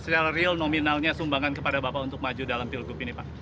secara real nominalnya sumbangan kepada bapak untuk maju dalam pilgub ini pak